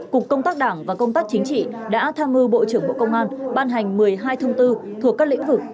cục công tác đảng và công tác chính trị đã tham mưu bộ trưởng bộ công an ban hành một mươi hai thông tư thuộc các lĩnh vực